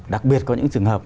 đặc biệt có những trường hợp